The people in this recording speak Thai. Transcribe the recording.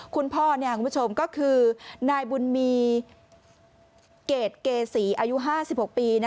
คุณผู้ชมก็คือนายบุญมีเกรดเกษีอายุ๕๖ปี